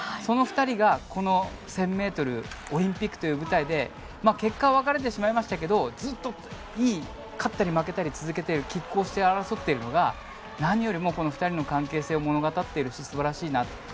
２人が、この１０００ｍオリンピックという舞台で結果は分かれてしまいましたがずっといい勝ったり負けたりを続けているきっ抗して争っているのが何よりもこの２人の関係性を物語っているし素晴らしいなと。